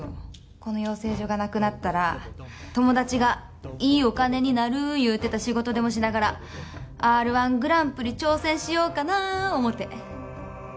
この養成所がなくなったら友達がいいお金になる言うてた仕事でもしながらＲ−１グランプリ挑戦しようかな思って。